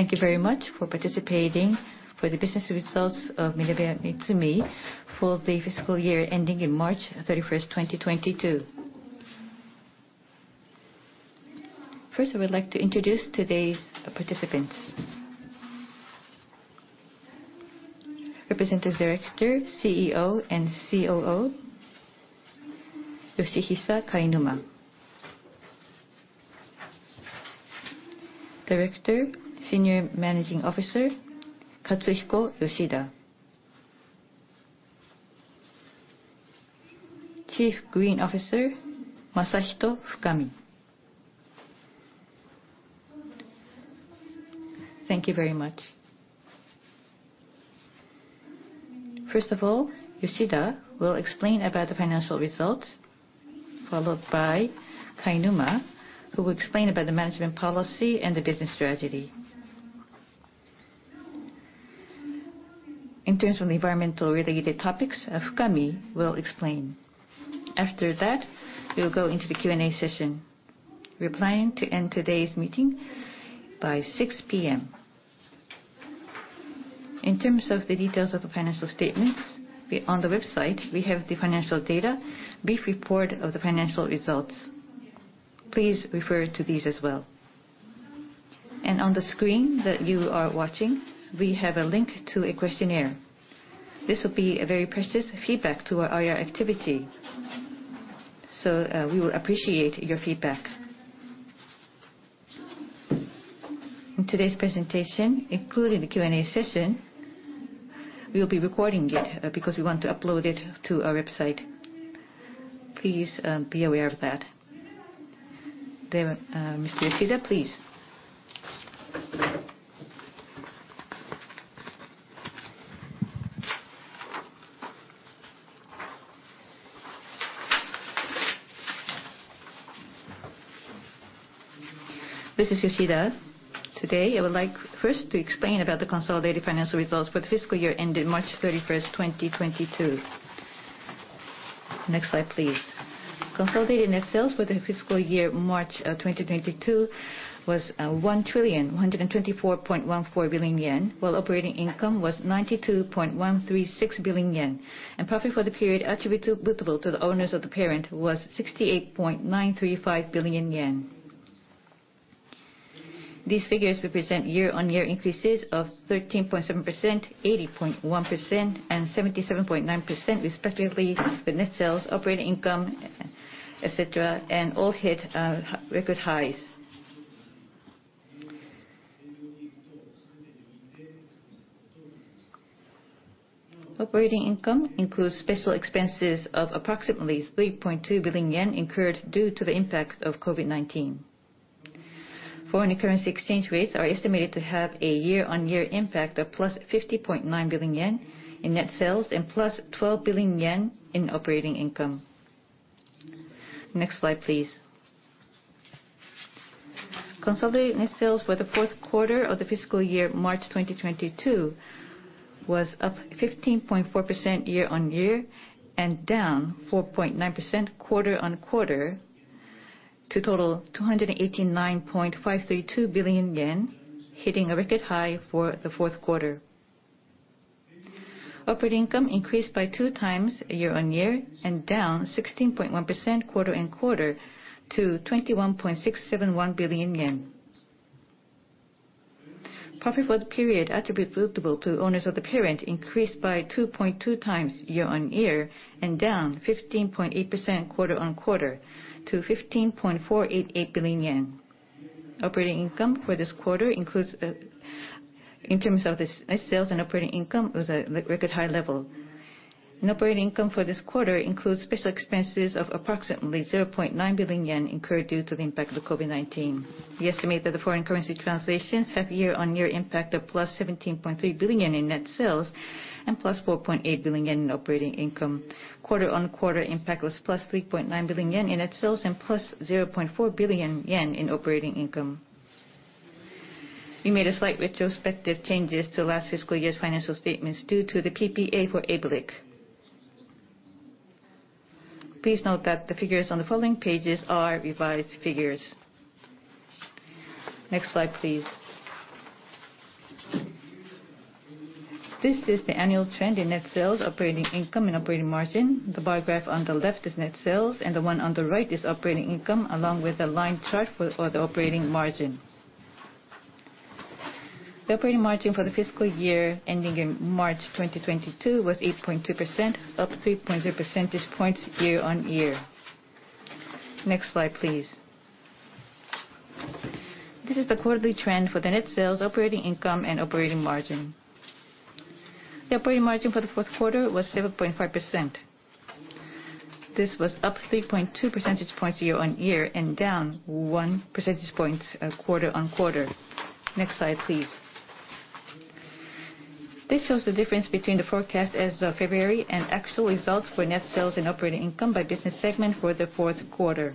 Thank you very much for participating in the business results of MinebeaMitsumi full-year fiscal year ending March 31st, 2022. First, I would like to introduce today's participants. Representative Director, CEO and COO, Yoshihisa Kainuma. Director, Senior Managing Officer, Katsuhiko Yoshida. Chief Green Officer, Masahito Fukami. Thank you very much. First of all, Yoshida will explain about the financial results, followed by Kainuma, who will explain about the management policy and the business strategy. In terms of the environmental related topics, Fukami will explain. After that, we will go into the Q&A session. We're planning to end today's meeting by 6 P.M. In terms of the details of the financial statements, on the website, we have the financial data, brief report of the financial results. Please refer to these as well. On the screen that you are watching, we have a link to a questionnaire. This will be a very precious feedback to our IR activity. We will appreciate your feedback. In today's presentation, including the Q&A session, we will be recording it, because we want to upload it to our website. Please, be aware of that. Mr. Yoshida, please. This is Yoshida. Today, I would like first to explain about the consolidated financial results for the fiscal year ending March thirty-first, 2022. Next slide, please. Consolidated net sales for the fiscal year March 2022 was 1,124.14 billion yen, while operating income was 92.136 billion yen. Profit for the period attributable to the owners of the parent was 68.935 billion yen. These figures represent year-on-year increases of 13.7%, 80.1%, and 77.9%, respectively, for net sales, operating income, et cetera, and all hit record highs. Operating income includes special expenses of approximately 3.2 billion yen incurred due to the impact of COVID-19. Foreign currency exchange rates are estimated to have a year-on-year impact of +50.9 billion yen in net sales and +12 billion yen in operating income. Next slide, please. Consolidated net sales for the fourth quarter of the fiscal year March 2022 was up 15.4% year-on-year and down 4.9% quarter-on-quarter to total 289.532 billion yen, hitting a record high for the fourth quarter. Operating income increased by 2x year-on-year and down 16.1% quarter-on-quarter to 21.671 billion yen. Profit for the period attributable to owners of the parent increased by 2.2x year-on-year and down 15.8% quarter-on-quarter to 15.488 billion yen. Operating income for this quarter includes, in terms of the net sales and operating income, it was a record high level. Net operating income for this quarter includes special expenses of approximately 0.9 billion yen incurred due to the impact of COVID-19. We estimate that the foreign currency translations have year-on-year impact of plus 17.3 billion in net sales and plus 4.8 billion yen in operating income. Quarter-on-quarter impact was +3.9 billion in net sales and +0.4 billion yen in operating income. We made a slight retrospective changes to last fiscal year's financial statements due to the PPA for ABLIC. Please note that the figures on the following pages are revised figures. Next slide, please. This is the annual trend in net sales, operating income, and operating margin. The bar graph on the left is net sales, and the one on the right is operating income, along with a line chart for all the operating margin. The operating margin for the fiscal year ending in March 2022 was 8.2%, up 3.0 percentage points year-on-year. Next slide, please. This is the quarterly trend for the net sales, operating income, and operating margin. The operating margin for the fourth quarter was 7.5%. This was up 3.2 percentage points year-on-year and down 1 percentage points quarter-on-quarter. Next slide, please. This shows the difference between the forecast as of February and actual results for net sales and operating income by business segment for the fourth quarter.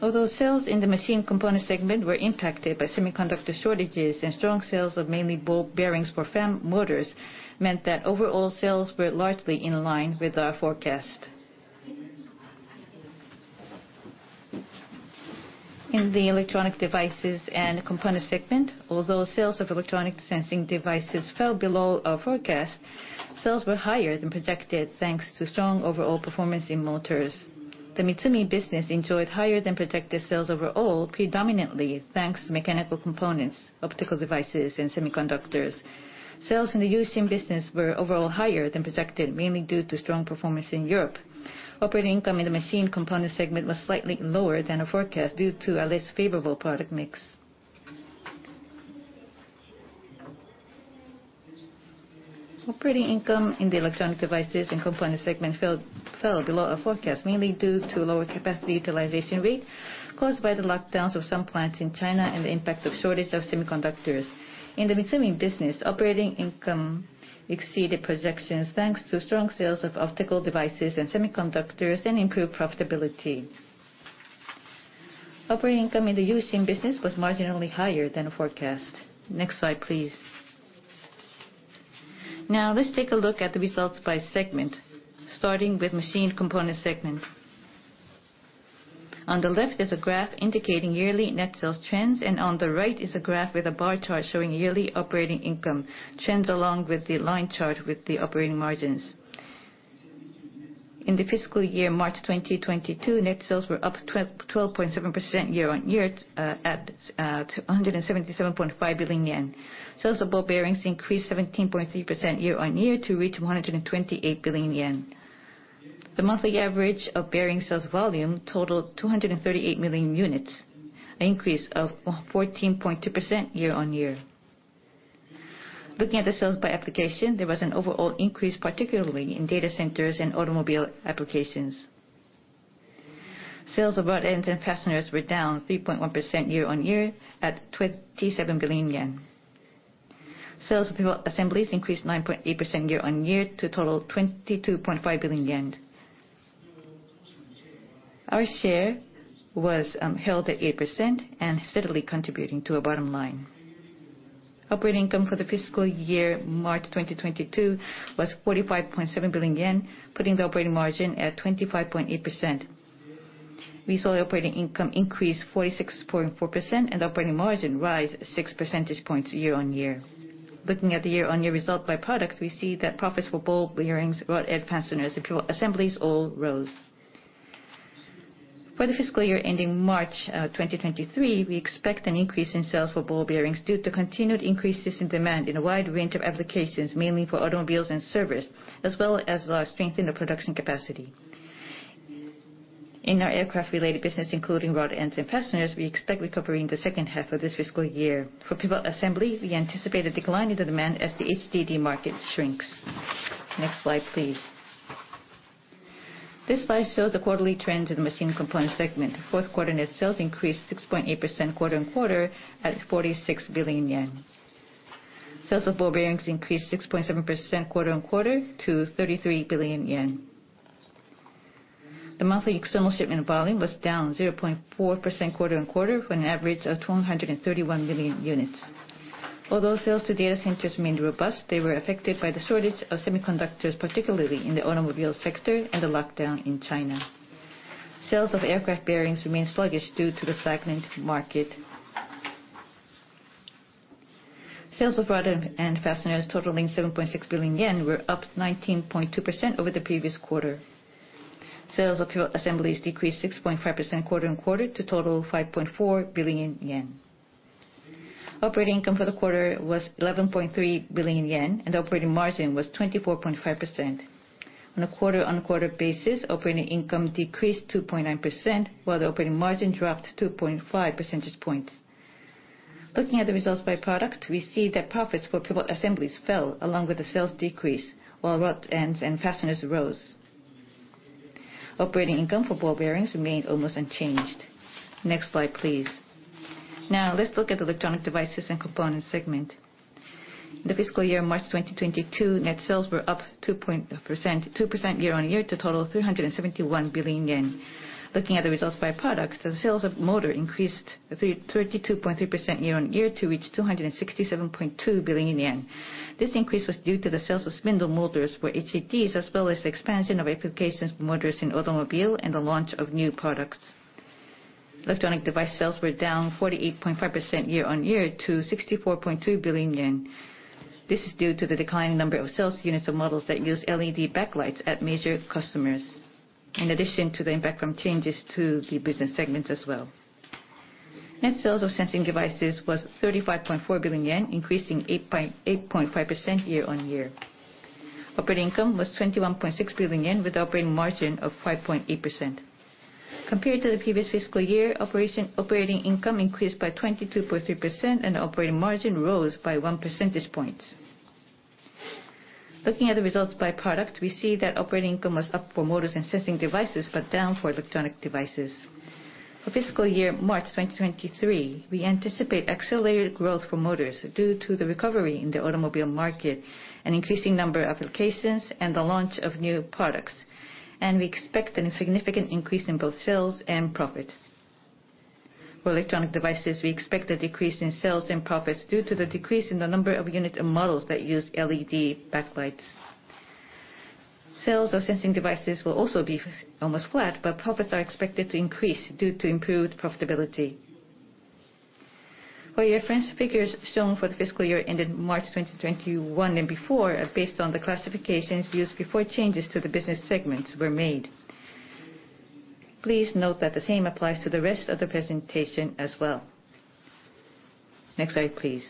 Although sales in the machine components segment were impacted by semiconductor shortages and strong sales of mainly ball bearings for fan motors meant that overall sales were largely in line with our forecast. In the electronic devices and components segment, although sales of sensing devices fell below our forecast, sales were higher than projected, thanks to strong overall performance in motors. The Mitsumi business enjoyed higher than projected sales overall, predominantly thanks to mechanical components, optical devices, and semiconductors. Sales in the U-Shin business were overall higher than projected, mainly due to strong performance in Europe. Operating income in the machine component segment was slightly lower than our forecast, due to a less favorable product mix. Operating income in the electronic devices and components segment fell below our forecast, mainly due to lower capacity utilization rate caused by the lockdowns of some plants in China and the impact of shortage of semiconductors. In the Mitsumi business, operating income exceeded projections thanks to strong sales of optical devices and semiconductors, and improved profitability. Operating income in the U-Shin business was marginally higher than forecast. Next slide, please. Now let's take a look at the results by segment, starting with machine component segment. On the left is a graph indicating yearly net sales trends, and on the right is a graph with a bar chart showing yearly operating income trends, along with the line chart with the operating margins. In the fiscal year March 2022, net sales were up 12.7% year-on-year, at JPY 177.5 billion. Sales of ball bearings increased 17.3% year-on-year to reach 128 billion yen. The monthly average of bearing sales volume totaled 238 million units, an increase of 14.2% year-on-year. Looking at the sales by application, there was an overall increase, particularly in data centers and automobile applications. Sales of rod ends and fasteners were down 3.1% year-on-year at 27 billion yen. Sales of pivot assemblies increased 9.8% year-on-year to total JPY 22.5 billion. Our share was held at 8% and steadily contributing to our bottom line. Operating income for the fiscal year March 2022 was 45.7 billion yen, putting the operating margin at 25.8%. We saw operating income increase 46.4% and operating margin rise six percentage points year-on-year. Looking at the year-on-year result by product, we see that profits for ball bearings, rod ends, fasteners, and pivot assemblies all rose. For the fiscal year ending March 2023, we expect an increase in sales for ball bearings due to continued increases in demand in a wide range of applications, mainly for automobiles and servers, as well as our strength in the production capacity. In our aircraft-related business, including rod ends and fasteners, we expect recovery in the second half of this fiscal year. For pivot assembly, we anticipate a decline in the demand as the HDD market shrinks. Next slide, please. This slide shows the quarterly trend in the machine component segment. Fourth quarter net sales increased 6.8% quarter-on-quarter, at 46 billion yen. Sales of ball bearings increased 6.7% quarter-on-quarter to 33 billion yen. The monthly external shipment volume was down 0.4% quarter-on-quarter for an average of 231 million units. Although sales to data centers remained robust, they were affected by the shortage of semiconductors, particularly in the automobile sector and the lockdown in China. Sales of aircraft bearings remained sluggish due to the stagnant market. Sales of rod ends and fasteners totaling 7.6 billion yen were up 19.2% over the previous quarter. Sales of pivot assemblies decreased 6.5% quarter-on-quarter to total 5.4 billion yen. Operating income for the quarter was 11.3 billion yen, and operating margin was 24.5%. On a quarter-on-quarter basis, operating income decreased 2.9%, while the operating margin dropped 2.5 percentage points. Looking at the results by product, we see that profits for pivot assemblies fell along with the sales decrease, while rod ends and fasteners rose. Operating income for ball bearings remained almost unchanged. Next slide, please. Now let's look at electronic devices and components segment. In the fiscal year March 2022, net sales were up 2% year-on-year to total 371 billion yen. Looking at the results by product, the sales of motor increased 32.3% year-on-year to reach 267.2 billion yen. This increase was due to the sales of spindle motors for HDDs, as well as the expansion of applications for motors in automobile and the launch of new products. Electronic device sales were down 48.5% year-on-year to 64.2 billion yen. This is due to the declining number of sales units of models that use LED backlights at major customers, in addition to the impact from changes to the business segments as well. Net sales of sensing devices was 35.4 billion yen, increasing 8.85% year-on-year. Operating income was 21.6 billion yen with operating margin of 5.8%. Compared to the previous fiscal year, operating income increased by 22.3% and operating margin rose by one percentage point. Looking at the results by product, we see that operating income was up for motors and sensing devices, but down for electronic devices. For fiscal year March 2023, we anticipate accelerated growth for motors due to the recovery in the automobile market, an increasing number of applications, and the launch of new products, and we expect a significant increase in both sales and profit. For electronic devices, we expect a decrease in sales and profits due to the decrease in the number of unit and models that use LED backlights. Sales of sensing devices will also be almost flat, but profits are expected to increase due to improved profitability. For your reference, figures shown for the fiscal year ending March 2021 and before are based on the classifications used before changes to the business segments were made. Please note that the same applies to the rest of the presentation as well. Next slide, please.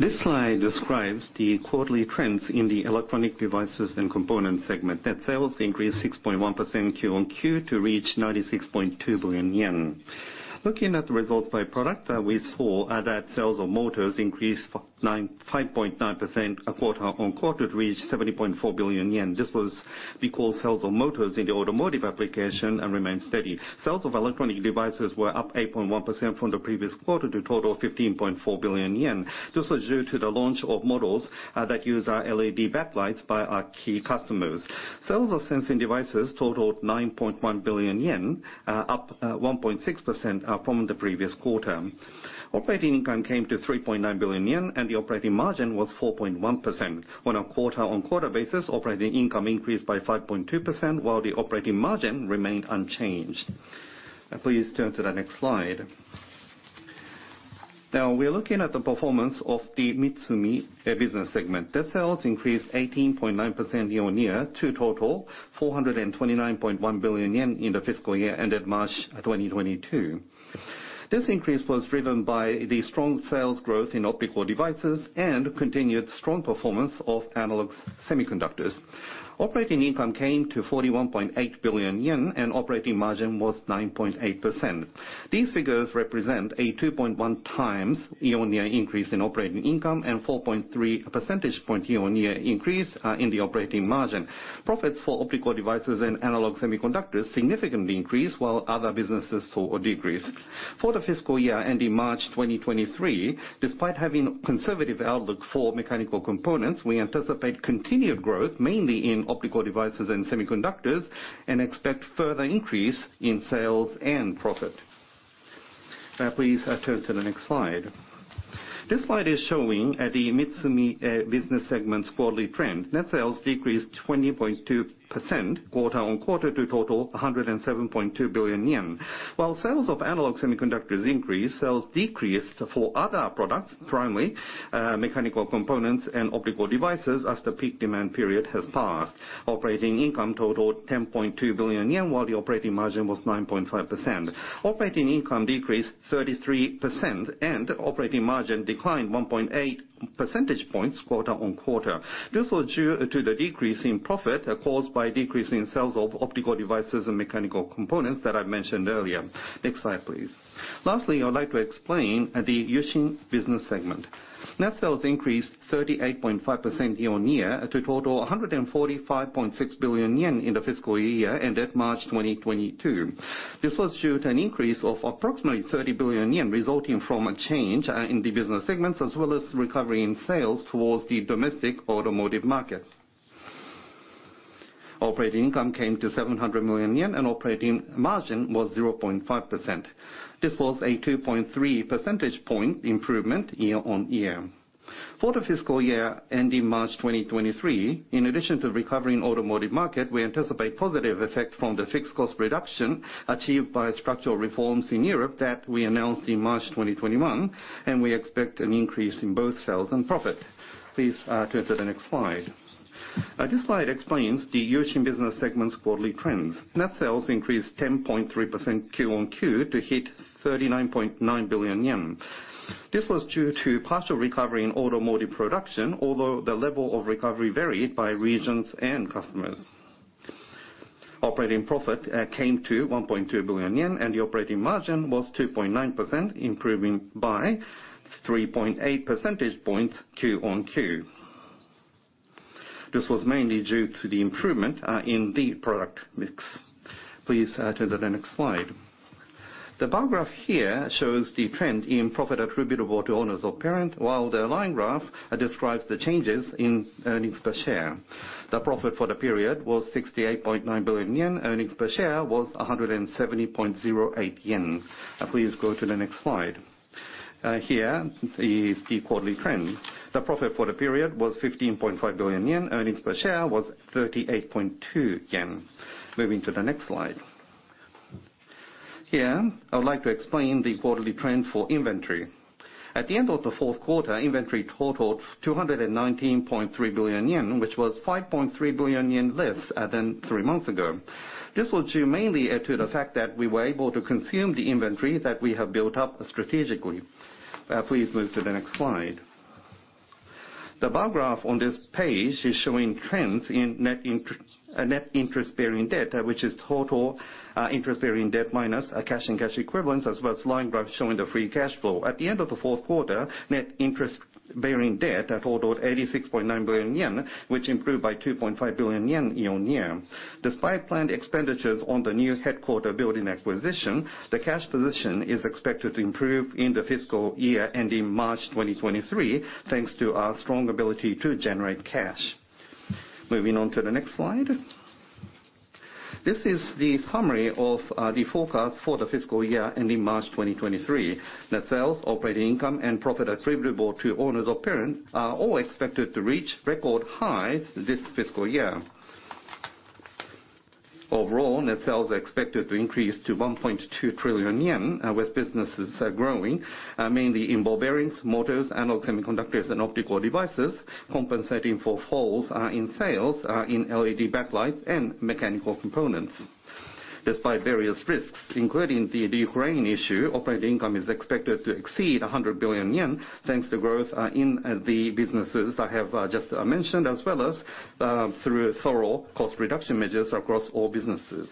This slide describes the quarterly trends in the electronic devices and components segment. Net sales increased 6.1% Q-on-Q to reach 96.2 billion yen. Looking at the results by product, we saw that sales of motors increased 5.9% quarter-on-quarter to reach 70.4 billion yen. This was because sales of motors in the automotive application remained steady. Sales of electronic devices were up 8.1% from the previous quarter to total 15.4 billion yen. This was due to the launch of models that use our LED backlights by our key customers. Sales of sensing devices totaled 9.1 billion yen, up 1.6% from the previous quarter. Operating income came to 3.9 billion yen, and the operating margin was 4.1%. On a quarter-on-quarter basis, operating income increased by 5.2%, while the operating margin remained unchanged. Please turn to the next slide. Now we are looking at the performance of the Mitsumi business segment. The sales increased 18.9% year-on-year to total 429.1 billion yen in the fiscal year ending March 2022. This increase was driven by the strong sales growth in optical devices and continued strong performance of analog semiconductors. Operating income came to 41.8 billion yen, and operating margin was 9.8%. These figures represent a 2.1 times year-on-year increase in operating income and 4.3 percentage point year-on-year increase in the operating margin. Profits for optical devices and analog semiconductors significantly increased, while other businesses saw a decrease. For the fiscal year ending March 2023, despite having conservative outlook for mechanical components, we anticipate continued growth, mainly in optical devices and semiconductors, and expect further increase in sales and profit. Please turn to the next slide. This slide is showing the Mitsumi business segment's quarterly trend. Net sales decreased 20.2% quarter-on-quarter to total 107.2 billion yen. While sales of analog semiconductors increased, sales decreased for other products, primarily mechanical components and optical devices, as the peak demand period has passed. Operating income totaled 10.2 billion yen, while the operating margin was 9.5%. Operating income decreased 33%, and operating margin declined 1.8 percentage points quarter-on-quarter. This was due to the decrease in profit, caused by decrease in sales of optical devices and mechanical components that I mentioned earlier. Next slide, please. Lastly, I would like to explain the U-Shin business segment. Net sales increased 38.5% year-on-year to total 145.6 billion yen in the fiscal year ending March 2022. This was due to an increase of approximately 30 billion yen resulting from a change in the business segments, as well as recovery in sales towards the domestic automotive market. Operating income came to 700 million yen, and operating margin was 0.5%. This was a 2.3 percentage point improvement year-on-year. For the fiscal year ending March 2023, in addition to recovering automotive market, we anticipate positive effect from the fixed cost reduction achieved by structural reforms in Europe that we announced in March 2021, and we expect an increase in both sales and profit. Please, turn to the next slide. This slide explains the U-Shin business segment's quarterly trends. Net sales increased 10.3% Q-on-Q to hit 39.9 billion yen. This was due to partial recovery in automotive production, although the level of recovery varied by regions and customers. Operating profit came to 1.2 billion yen, and the operating margin was 2.9%, improving by 3.8 percentage points Q-on-Q. This was mainly due to the improvement in the product mix. Please, turn to the next slide. The bar graph here shows the trend in profit attributable to owners of parent, while the line graph describes the changes in earnings per share. The profit for the period was 68.9 billion yen. Earnings per share was 170.08 yen. Please go to the next slide. Here is the quarterly trend. The profit for the period was 15.5 billion yen. Earnings per share was 38.2 yen. Moving to the next slide. Here, I would like to explain the quarterly trend for inventory. At the end of the fourth quarter, inventory totaled 219.3 billion yen, which was 5.3 billion yen less than three months ago. This was due mainly to the fact that we were able to consume the inventory that we have built up strategically. Please move to the next slide. The bar graph on this page is showing trends in net interest, net interest-bearing debt, which is total, interest-bearing debt minus, cash and cash equivalents, as well as line graph showing the free cash flow. At the end of the fourth quarter, net interest-bearing debt totaled 86.9 billion yen, which improved by 2.5 billion yen year-on-year. Despite planned expenditures on the new headquarters building acquisition, the cash position is expected to improve in the fiscal year ending March 2023, thanks to our strong ability to generate cash. Moving on to the next slide. This is the summary of, the forecast for the fiscal year ending March 2023. Net sales, operating income, and profit attributable to owners of parent are all expected to reach record highs this fiscal year. Overall, net sales are expected to increase to 1.2 trillion yen with businesses growing mainly in ball bearings, motors, analog semiconductors, and optical devices, compensating for falls in sales in LED backlights and mechanical components. Despite various risks, including the Ukraine issue, operating income is expected to exceed 100 billion yen, thanks to growth in the businesses I have just mentioned, as well as through thorough cost reduction measures across all businesses.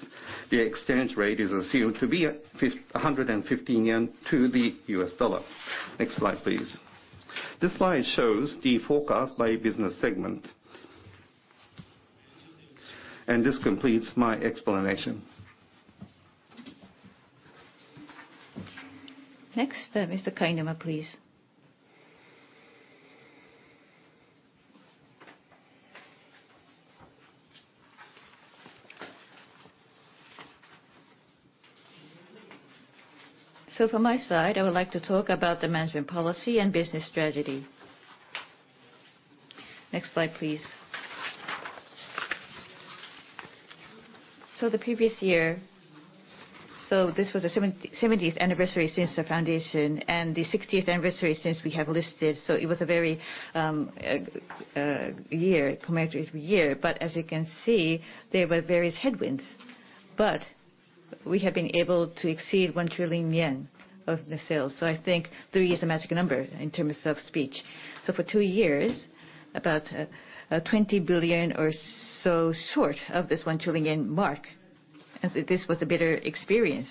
The exchange rate is assumed to be at 115 yen to the US dollar. Next slide, please. This slide shows the forecast by business segment. This completes my explanation. Next, Yoshihisa Kainuma, please. From my side, I would like to talk about the management policy and business strategy. Next slide, please. The previous year, this was the seventieth anniversary since the foundation and the sixtieth anniversary since we have listed, it was a very commemorative year. As you can see, there were various headwinds. We have been able to exceed 1 trillion yen of net sales. I think three is the magic number in terms of speech. For two years, about 20 billion or so short of this 1 trillion mark, and this was a bitter experience.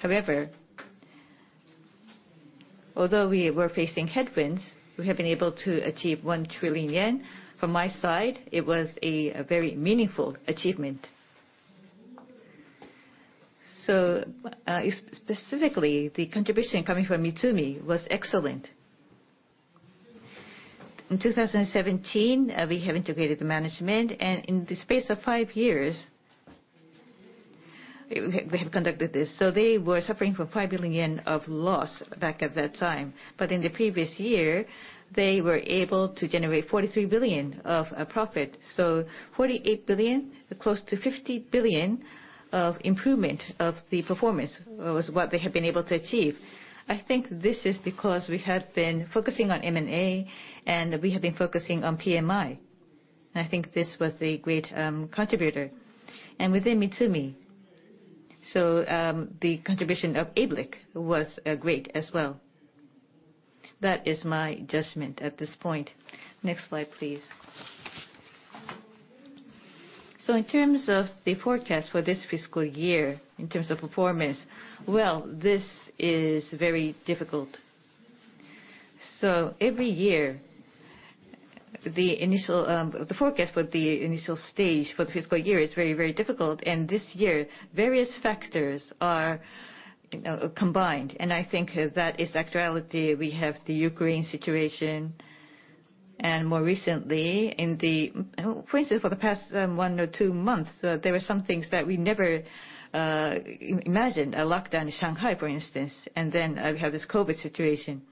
However, although we were facing headwinds, we have been able to achieve 1 trillion yen. From my side, it was a very meaningful achievement. Specifically, the contribution coming from Mitsumi was excellent. In 2017, we have integrated the management, and in the space of 5 years, we have conducted this. They were suffering from 5 billion yen of loss back at that time. In the previous year, they were able to generate 43 billion of profit. 48 billion, close to 50 billion of improvement of the performance was what they have been able to achieve. I think this is because we have been focusing on M&A, and we have been focusing on PMI. I think this was a great contributor. Within Mitsumi, the contribution of ABLIC was great as well. That is my judgment at this point. Next slide, please. In terms of the forecast for this fiscal year, in terms of performance, well, this is very difficult. Every year, the initial forecast for the initial stage for the fiscal year is very, very difficult. This year, various factors are, you know, combined. I think that is actuality. We have the Ukraine situation, and more recently, for instance, for the past one or two months, there were some things that we never imagined, a lockdown in Shanghai, for instance. Then we have this COVID situation.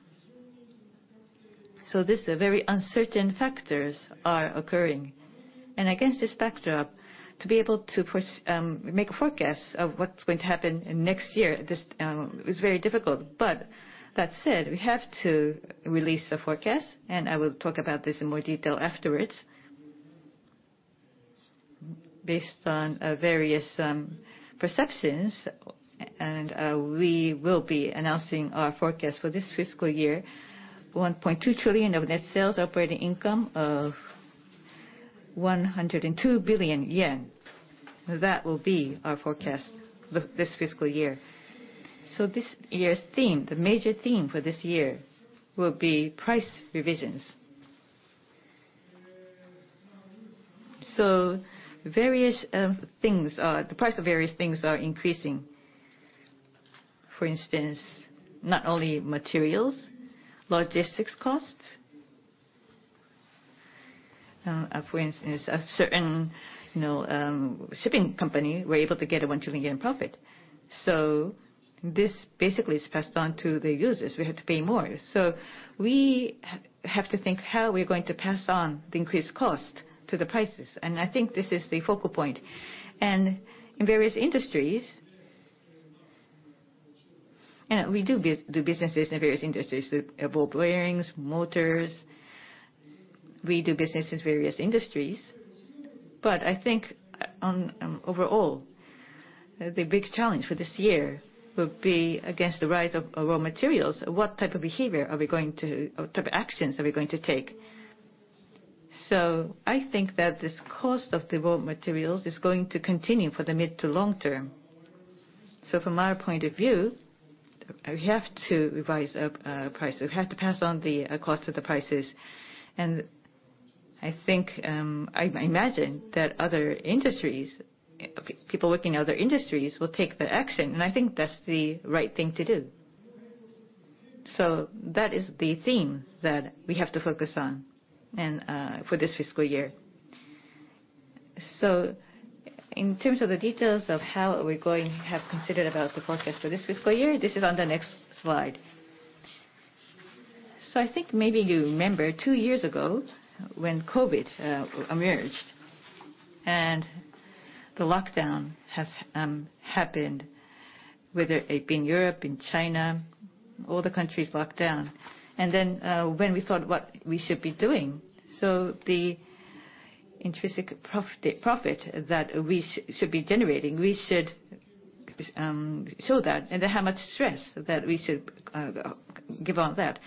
This is very uncertain factors are occurring. Against this backdrop, to be able to make forecasts of what's going to happen in next year, this is very difficult. That said, we have to release a forecast, and I will talk about this in more detail afterwards. Based on various perceptions, and we will be announcing our forecast for this fiscal year, 1.2 trillion of net sales, operating income of 102 billion yen. That will be our forecast for this fiscal year. This year's theme, the major theme for this year, will be price revisions. The price of various things are increasing. For instance, not only materials, logistics costs. For instance, a certain, you know, shipping company were able to get a 1 trillion yen profit. This basically is passed on to the users, we have to pay more. We have to think how we're going to pass on the increased cost to the prices, and I think this is the focal point. In various industries, we do businesses in various industries, so ball bearings, motors, we do business in various industries. I think overall, the big challenge for this year will be against the rise of raw materials, what type of actions are we going to take? I think that this cost of the raw materials is going to continue for the mid to long term. From our point of view, we have to revise our price. We have to pass on the cost to the prices. I think I imagine that other industries, people working in other industries, will take the action, and I think that's the right thing to do. That is the theme that we have to focus on and for this fiscal year. In terms of the details of how we have considered about the forecast for this fiscal year, this is on the next slide. I think maybe you remember 2 years ago when COVID emerged and the lockdown has happened, whether it be in Europe, in China, all the countries locked down. When we thought what we should be doing. The intrinsic profit that we should be generating, we should show that and how much stress that we should give on that.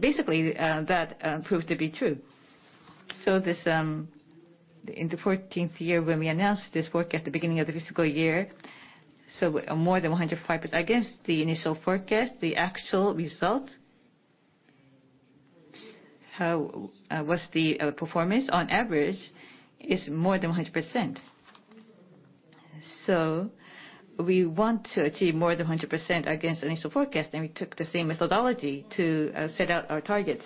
Basically, that proved to be true. This, in the fourteenth year when we announced this forecast at the beginning of the fiscal year, more than 100%. Against the initial forecast, the actual result, how was the performance on average, is more than 100%. We want to achieve more than 100% against initial forecast, and we took the same methodology to set out our targets.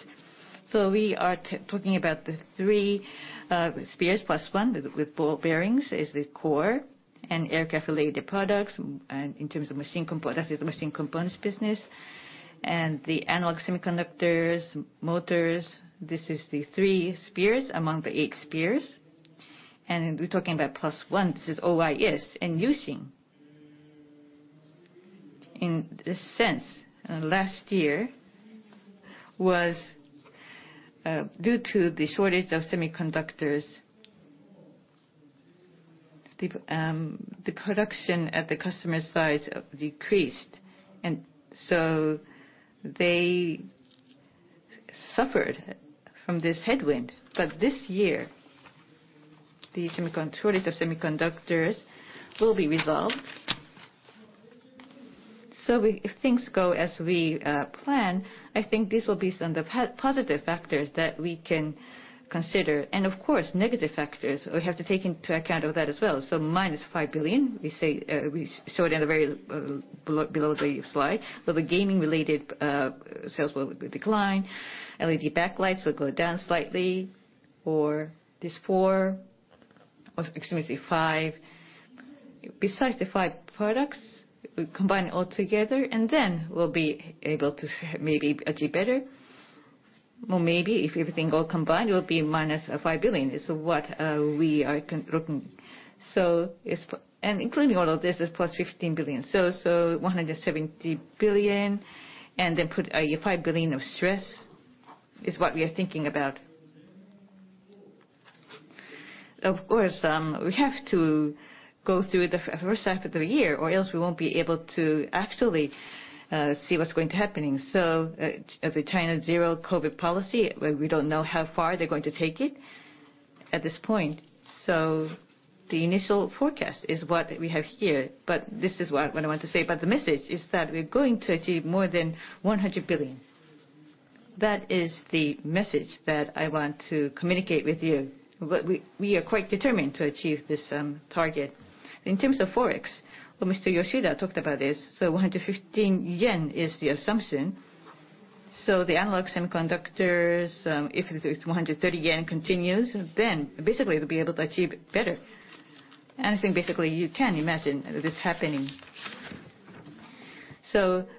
We are talking about the three spheres plus one with ball bearings is the core and aircraft related products, and in terms of machine components, that is the machine components business. The analog semiconductors, motors, this is the three spheres among the Eight Spears. We're talking about plus one. This is OIS and sensing. In this sense, last year was due to the shortage of semiconductors, the production at the customer side decreased, and so they suffered from this headwind. This year, the shortage of semiconductors will be resolved. If things go as we plan, I think this will be some of the positive factors that we can consider. Of course, negative factors, we have to take into account of that as well. Minus 5 billion, we say, we show it at the very bottom below the slide. The gaming-related sales will decline. LED backlights will go down slightly. These four, excuse me, five. Besides the five products, combine all together, and then we'll be able to maybe achieve better. Maybe if everything all combined, it will be -5 billion is what we are looking. Including all of this, it's +15 billion. 170 billion, and then put a 5 billion of stress is what we are thinking about. Of course, we have to go through the first half of the year or else we won't be able to actually see what's going to happen. The China zero COVID policy, we don't know how far they're going to take it at this point. The initial forecast is what we have here, but this is what I want to say. The message is that we're going to achieve more than 100 billion. That is the message that I want to communicate with you. We are quite determined to achieve this target. In terms of Forex, well, Mr. Yoshida talked about this. 115 yen is the assumption. The analog semiconductors, if it's 130 yen continues, then basically we'll be able to achieve better. I think basically you can imagine this happening.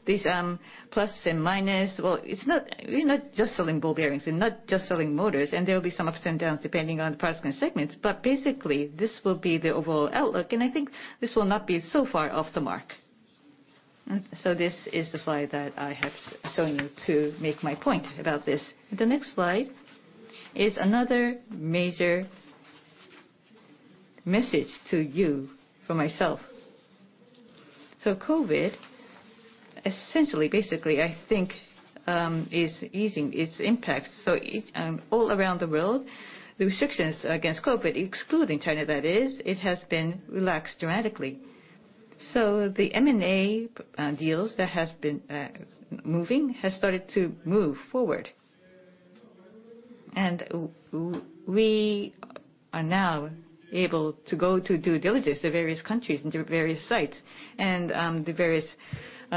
These plus and minus. Well, it's not. We're not just selling ball bearings and not just selling motors, and there will be some ups and downs depending on the products and segments. Basically, this will be the overall outlook, and I think this will not be so far off the mark. This is the slide that I have shown you to make my point about this. The next slide is another major message to you from myself. COVID, essentially, basically, I think, is easing its impact. All around the world, the restrictions against COVID, excluding China that is, it has been relaxed dramatically. The M&A deals that have been moving have started to move forward. We are now able to go to due diligence to various countries and to various sites. The various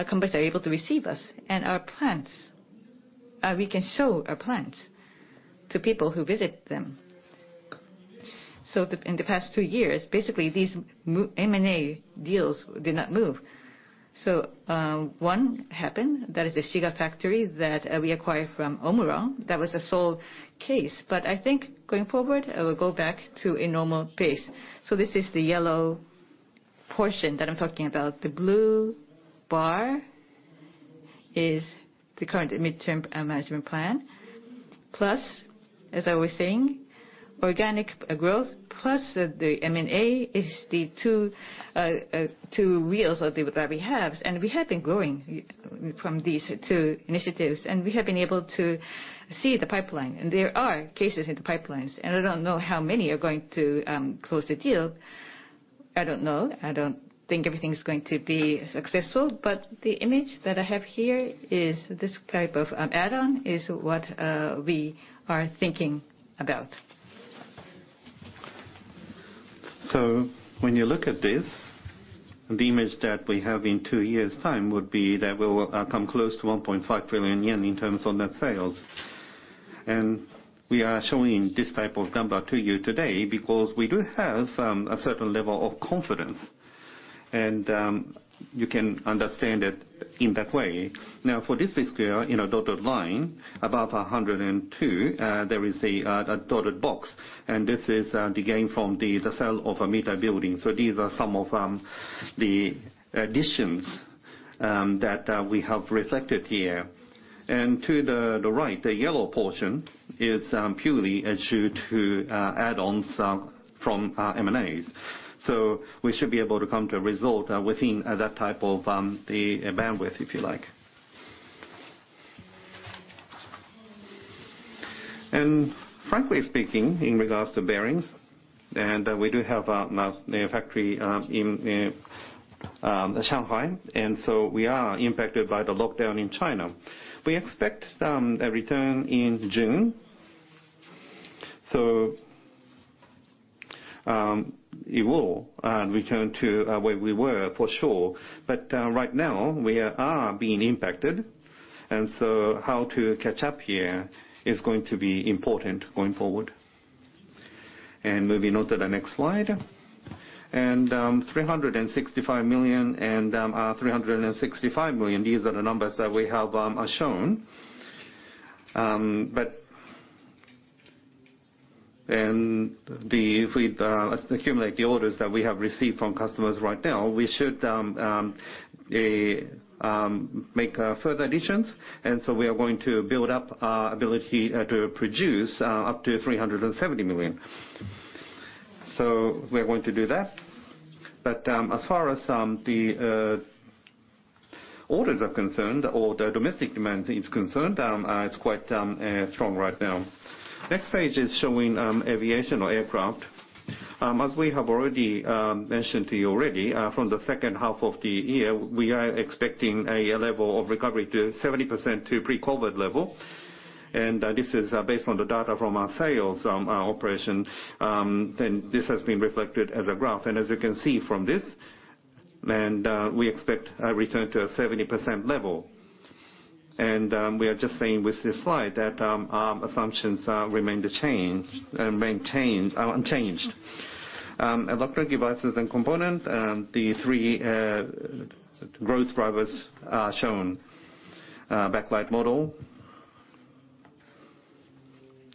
companies are able to receive us. Our plants, we can show our plants to people who visit them. In the past two years, basically, these M&A deals did not move. One happened, that is the Shiga factory that we acquired from Omron. That was a sole case. I think going forward, it will go back to a normal pace. This is the yellow portion that I'm talking about. The blue bar is the current midterm management plan, plus, as I was saying, organic growth, plus the M&A is the two wheels that we have. We have been growing from these two initiatives, and we have been able to see the pipeline. There are cases in the pipelines, and I don't know how many are going to close the deal. I don't know. I don't think everything's going to be successful. The image that I have here is this type of add-on is what we are thinking about. When you look at this, the image that we have in two years' time would be that we will come close to 1.5 billion yen in terms of net sales. We are showing this type of number to you today because we do have a certain level of confidence, and you can understand it in that way. Now, for this fiscal year, in a dotted line above 102, there is a dotted box, and this is the gain from the sale of a Mita building. These are some of the additions that we have reflected here. To the right, the yellow portion is purely due to add-ons from M&As. We should be able to come to a result within that type of the bandwidth, if you like. Frankly speaking, in regards to bearings, and we do have a factory in Shanghai, and so we are impacted by the lockdown in China. We expect a return in June. It will return to where we were for sure. Right now we are being impacted, and so how to catch up here is going to be important going forward. Moving on to the next slide. 365 million, these are the numbers that we have shown. But If we accumulate the orders that we have received from customers right now, we should make further additions. We are going to build up our ability to produce up to 370 million. We are going to do that. As far as the orders are concerned or the domestic demand is concerned, it's quite strong right now. Next page is showing aviation or aircraft. As we have already mentioned to you already, from the second half of the year, we are expecting a level of recovery to 70% to pre-COVID level. This is based on the data from our sales operation. This has been reflected as a graph. As you can see from this, we expect a return to a 70% level. We are just saying with this slide that our assumptions remain unchanged. Electronic devices and components, the 3 growth drivers are shown. Backlight module.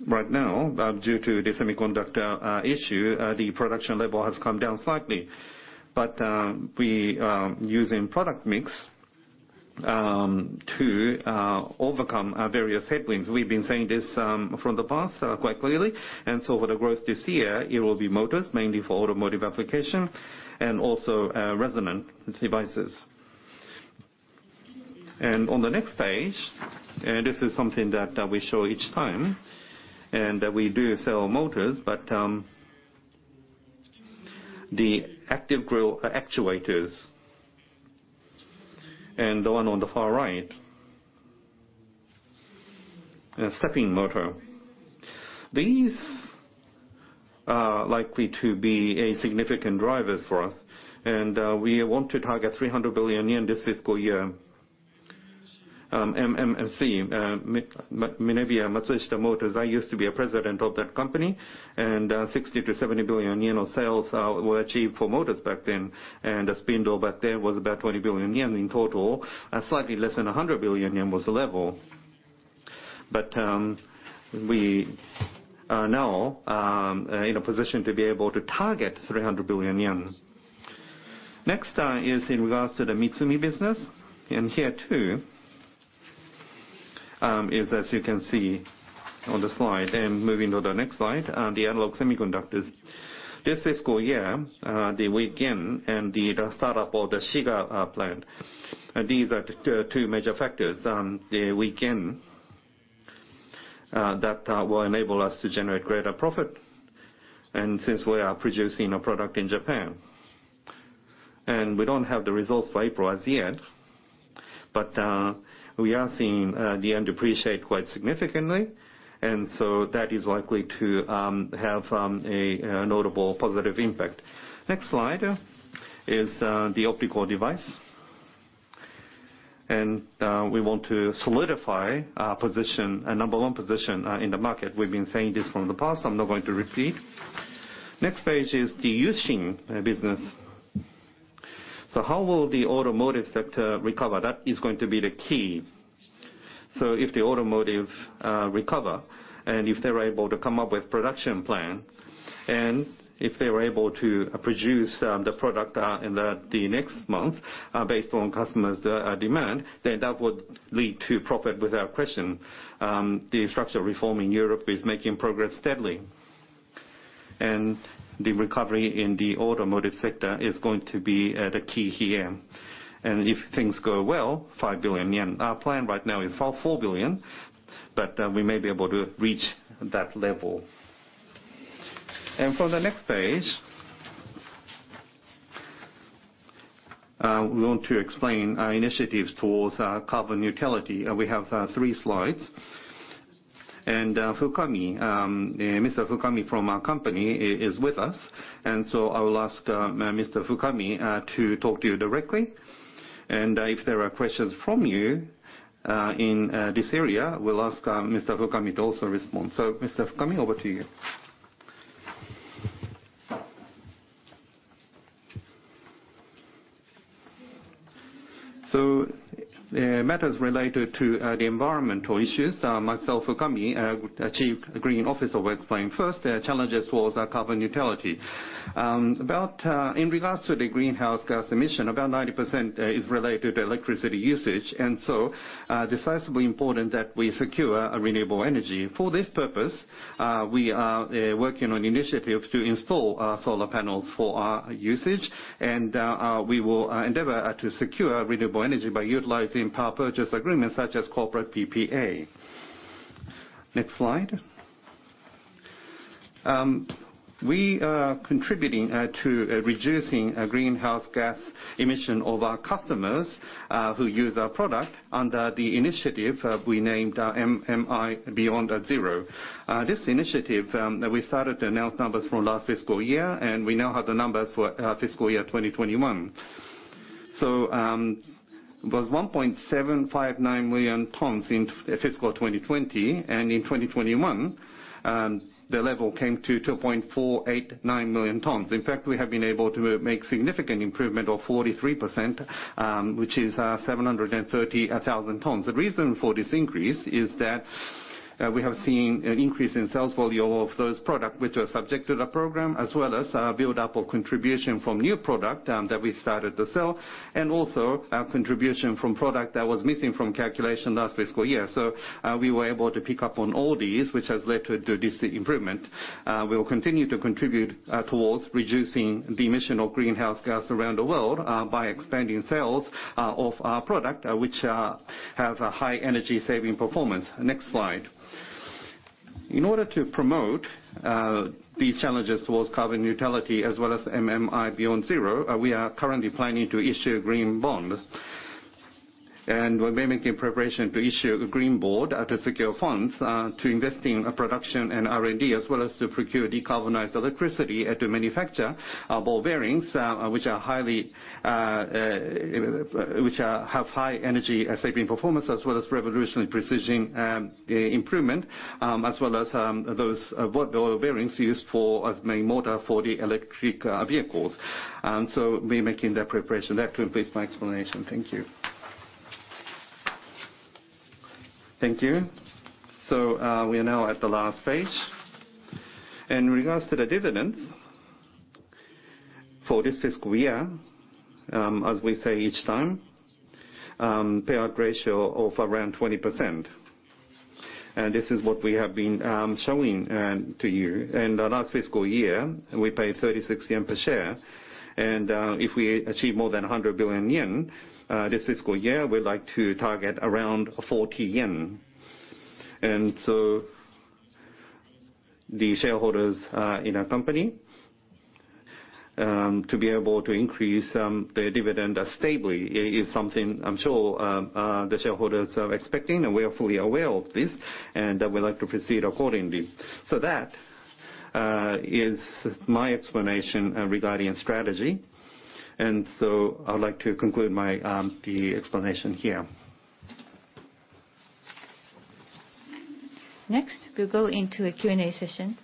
Right now, due to the semiconductor issue, the production level has come down slightly. We, using product mix, to overcome various headwinds. We've been saying this from the past quite clearly. For the growth this year, it will be motors, mainly for automotive application and also resonant devices. On the next page, this is something that we show each time, and we do sell motors, the active grill shutter actuators. The one on the far right, stepping motor. These are likely to be a significant drivers for us, and we want to target 300 billion yen this fiscal year. MMC, MinebeaMitsumi Motors, I used to be a president of that company, and 60 billion-70 billion yen of sales were achieved for motors back then. The spindle back then was about 20 billion yen in total, slightly less than 100 billion yen was the level. We are now in a position to be able to target 300 billion yen. Next is in regards to the Mitsumi business. Here too is as you can see on the slide. Moving to the next slide, the analog semiconductors. This fiscal year, the Wuxi and the startup of the Shiga plant. These are the two major factors. The weak yen that will enable us to generate greater profit, and since we are producing a product in Japan. We don't have the results for April as yet, but we are seeing the yen depreciate quite significantly, and so that is likely to have a notable positive impact. Next slide is the optical device. We want to solidify our position, a number one position, in the market. We've been saying this from the past, I'm not going to repeat. Next page is the U-Shin business. How will the automotive sector recover? That is going to be the key. If the automotive recovery and if they're able to come up with production plan, and if they were able to produce the product in the next month based on customers demand, then that would lead to profit without question. The structural reform in Europe is making progress steadily. The recovery in the automotive sector is going to be the key here. If things go well, 5 billion yen. Our plan right now is 4 billion, but we may be able to reach that level. For the next page, we want to explain our initiatives towards carbon neutrality. We have three slides. Fukami, Mr. Fukami from our company is with us. I will ask Mr. Fukami to talk to you directly. If there are questions from you, in this area, we'll ask Mr. Fukami to also respond. Mr. Fukami, over to you. Matters related to the environmental issues, myself, Fukami, would achieve the Chief Green Officer work plan. First, the challenge is towards carbon neutrality. In regards to the greenhouse gas emission, about 90% is related to electricity usage, and so decisively important that we secure a renewable energy. For this purpose, we are working on initiatives to install solar panels for our usage. We will endeavor to secure renewable energy by utilizing power purchase agreements such as corporate PPA. Next slide. We are contributing to reducing greenhouse gas emission of our customers who use our product under the initiative we named MMI Beyond Zero. This initiative, we started to announce numbers from last fiscal year, and we now have the numbers for fiscal year 2021. It was 1.759 million tons in fiscal 2020. In 2021, the level came to 2.489 million tons. In fact, we have been able to make significant improvement of 43%, which is 730,000 tons. The reason for this increase is that we have seen an increase in sales volume of those product which are subject to the program, as well as buildup of contribution from new product that we started to sell, and also contribution from product that was missing from calculation last fiscal year. We were able to pick up on all these, which has led to this improvement. We will continue to contribute towards reducing the emission of greenhouse gas around the world by expanding sales of our product which have a high energy saving performance. Next slide. In order to promote these challenges towards carbon neutrality as well as MMI Beyond Zero, we are currently planning to issue a green bond. We're making preparation to issue a green bond to secure funds to invest in production and R&D, as well as to procure decarbonized electricity and to manufacture our ball bearings, which have high energy saving performance, as well as revolutionary precision improvement, as well as the oil bearings used as the main motor for the electric vehicles. We're making that preparation. That concludes my explanation. Thank you. Thank you. We are now at the last page. In regards to the dividends for this fiscal year, as we say each time, payout ratio of around 20%. This is what we have been showing to you. In the last fiscal year, we paid 36 yen per share. If we achieve more than 100 billion yen this fiscal year, we'd like to target around 40 yen. The shareholders in our company to be able to increase the dividend stably is something I'm sure the shareholders are expecting, and we are fully aware of this, and we'd like to proceed accordingly. That is my explanation regarding strategy. I would like to conclude my the explanation here. Next, we'll go into a Q&A session.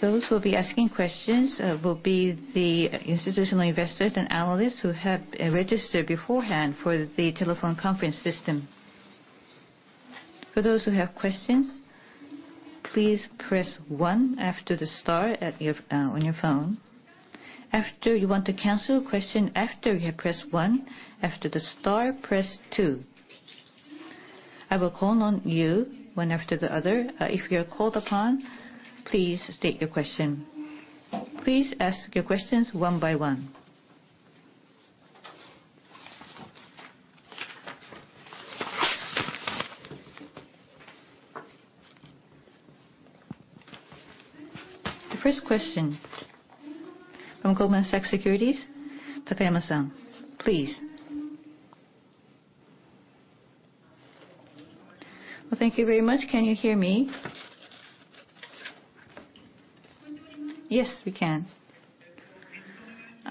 Those who'll be asking questions will be the institutional investors and analysts who have registered beforehand for the telephone conference system. For those who have questions, please press one after the star on your phone. After you want to cancel a question after you have pressed one after the star, press two. I will call on you one after the other. If you're called upon, please state your question. Please ask your questions one by one. The first question from Goldman Sachs Securities, Takayama-san, please. Well, thank you very much. Can you hear me? Yes, we can.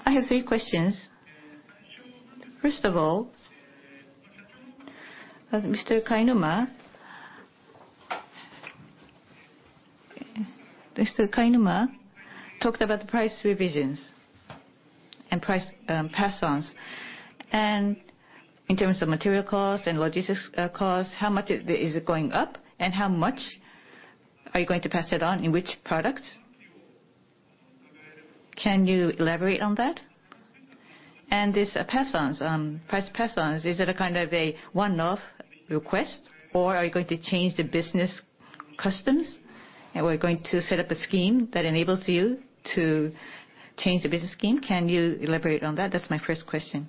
I have three questions. First of all, Mr. Kainuma talked about the price revisions and price pass-ons. In terms of material costs and logistics costs, how much is it going up, and how much are you going to pass it on in which products? Can you elaborate on that? This pass-ons, price pass-ons, is it a kind of a one-off request, or are you going to change the business customs? Are we going to set up a scheme that enables you to change the business scheme? Can you elaborate on that? That's my first question.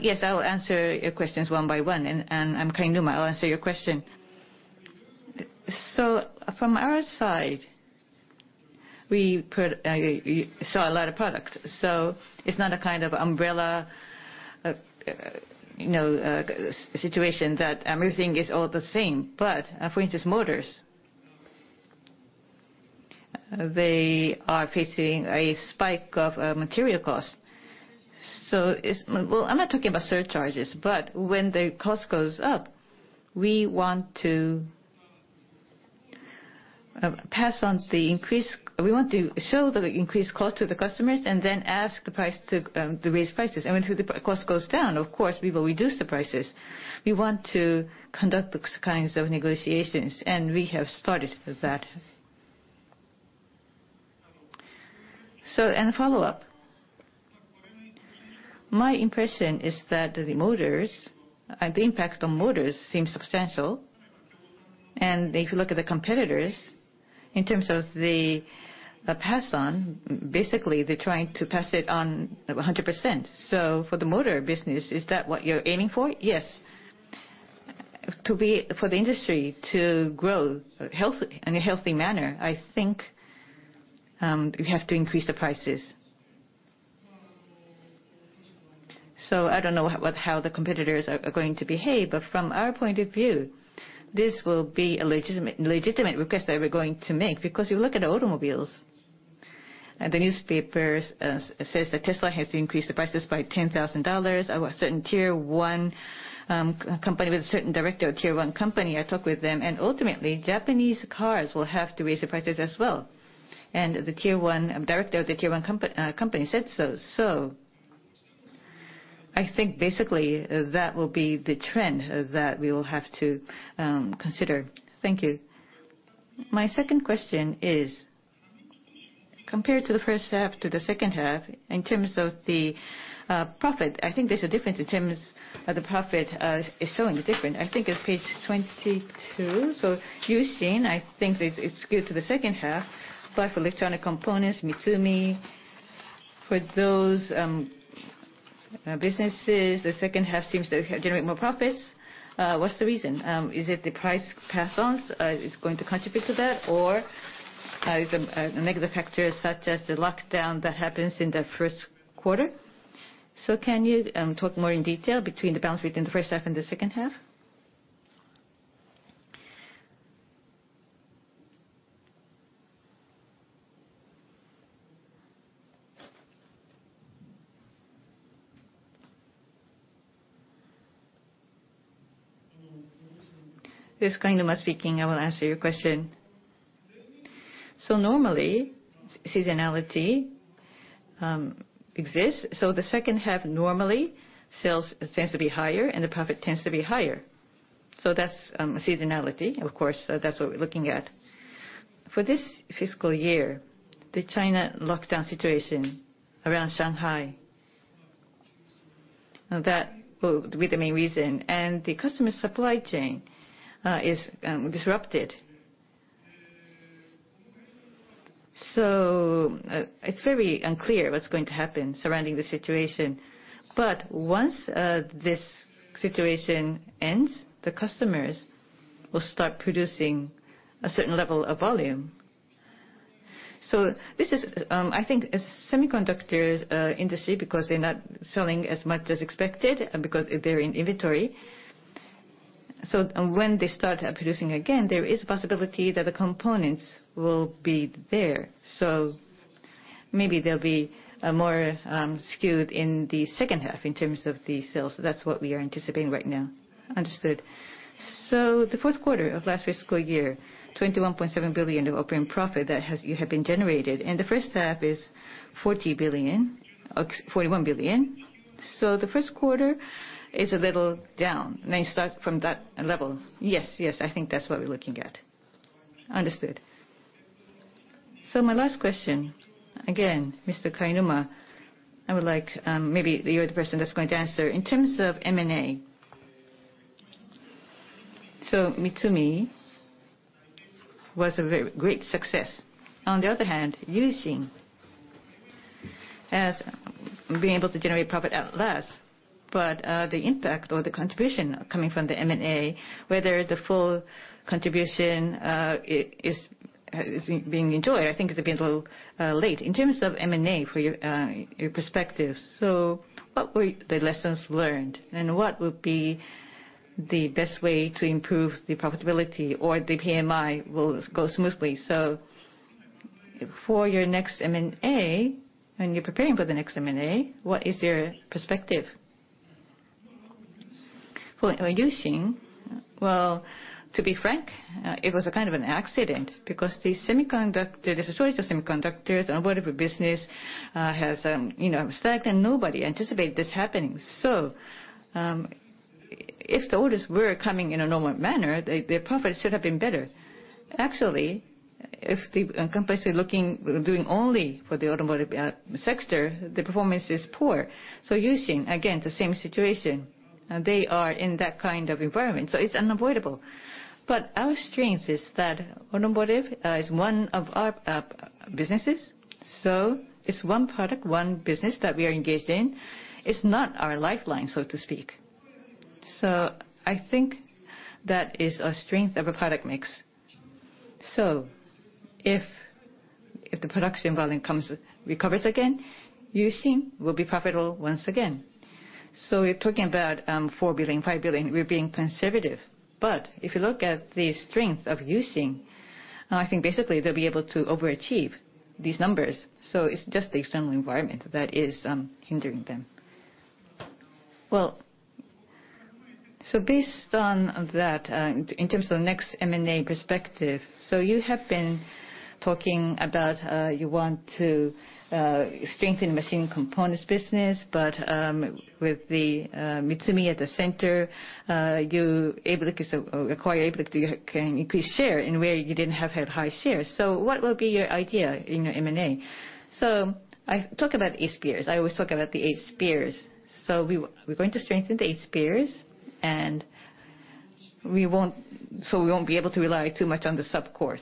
Yes, I will answer your questions one by one. I'm Kainuma, I'll answer your question. From our side, we sell a lot of product. It's not a kind of umbrella, you know, situation that everything is all the same. But for instance, motors. They are facing a spike of material costs. It's... I'm not talking about surcharges, but when the cost goes up, we want to pass on the increase. We want to show the increased cost to the customers and then ask to raise prices. When the cost goes down, of course, we will reduce the prices. We want to conduct the kinds of negotiations, and we have started that. Follow-up. My impression is that the impact on motors seems substantial. If you look at the competitors, in terms of the pass-on, basically, they're trying to pass it on 100%. For the motor business, is that what you're aiming for? Yes. For the industry to grow healthy, in a healthy manner, I think, we have to increase the prices. I don't know what, how the competitors are going to behave, but from our point of view, this will be a legitimate request that we're going to make. Because you look at automobiles, the newspapers say that Tesla has increased the prices by $10,000. I watch certain tier one company with a certain director of tier one company, I talk with them, and ultimately Japanese cars will have to raise the prices as well. The tier one director of the tier one company said so. I think basically that will be the trend that we will have to consider. Thank you. My second question is, compared to the first half to the second half, in terms of the profit, I think there's a difference in terms of the profit is showing different. I think it's page 22. U-Shin, I think it's skewed to the second half. For electronic components, Mitsumi, for those businesses, the second half seems to generate more profits. What's the reason? Is it the price pass-ons is going to contribute to that? Is a negative factor such as the lockdown that happens in the first quarter? Can you talk more in detail between the balance between the first half and the second half? This is Kainuma speaking. I will answer your question. Normally, seasonality exists, so the second half normally sales tends to be higher and the profit tends to be higher. That's seasonality. Of course, that's what we're looking at. For this fiscal year, the China lockdown situation around Shanghai, that will be the main reason. The customer supply chain is disrupted. It's very unclear what's going to happen surrounding the situation. Once this situation ends, the customers will start producing a certain level of volume. This is, I think, the semiconductor industry, because they're not selling as much as expected because they're in inventory. When they start producing again, there is a possibility that the components will be there. Maybe they'll be more skewed in the second half in terms of the sales. That's what we are anticipating right now. Understood. The fourth quarter of last fiscal year, 21.7 billion of operating profit that has been generated. The first half is 41 billion. The first quarter is a little down. It may start from that level. Yes. Yes, I think that's what we're looking at. Understood. My last question, again, Mr. Kainuma, I would like, maybe you're the person that's going to answer. In terms of M&A, Mitsumi was a very great success. On the other hand, U-Shin as being able to generate profit at last, but the impact or the contribution coming from the M&A, whether the full contribution is being enjoyed, I think it's a bit late. In terms of M&A for your perspective, what were the lessons learned, and what would be the best way to improve the profitability or the PMI will go smoothly? For your next M&A, when you're preparing for the next M&A, what is your perspective? For U-Shin, well, to be frank, it was a kind of an accident because the semiconductor, the shortage of semiconductors, automotive business has, you know, stacked and nobody anticipated this happening. If the orders were coming in a normal manner, the profit should have been better. Actually, if the companies are doing only for the automotive sector, the performance is poor. U-Shin, again, the same situation. They are in that kind of environment, so it's unavoidable. Our strength is that automotive is one of our businesses. It's one product, one business that we are engaged in. It's not our lifeline, so to speak. I think that is a strength of a product mix. If the production volume recovers again, U-Shin will be profitable once again. We're talking about 4 billion-5 billion, we're being conservative. If you look at the strength of U-Shin, I think basically they'll be able to overachieve these numbers, so it's just the external environment that is hindering them. Well, based on that, in terms of next M&A perspective, you have been talking about you want to strengthen mechanical components business. But with the Mitsumi at the center, you able to increase share in where you didn't have high shares. What will be your idea in your M&A? I talk about Eight Spears. I always talk about the Eight Spears. We're going to strengthen the Eight Spears, and we won't be able to rely too much on the subcore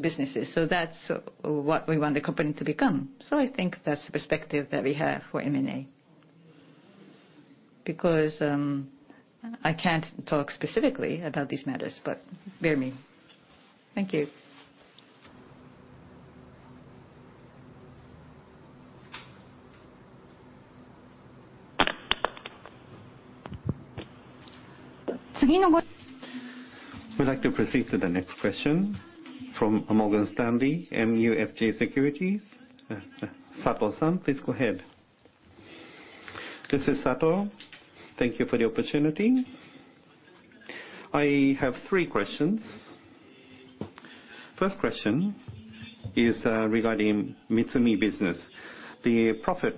businesses. That's what we want the company to become. I think that's the perspective that we have for M&A. Because I can't talk specifically about these matters, but bear with me. Thank you. We'd like to proceed to the next question from Morgan Stanley MUFG Securities. Sato-san, please go ahead. This is Sato. Thank you for the opportunity. I have three questions. First question is regarding Mitsumi business. The profit